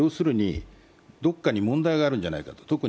どこかに問題があるんじゃないかと。